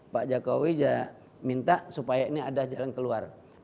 pak jokowi minta supaya ini ada jalan keluar